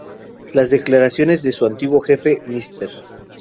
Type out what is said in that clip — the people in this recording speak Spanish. Las declaraciones de su antiguo jefe, Mr.